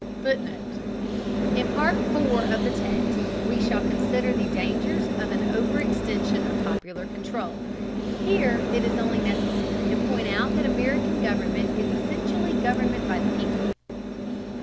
[Footnote: In Part IV of the text we shall consider the dangers of an over extension of popular control; here it is only necessary to point out that American government is essentially government by the people.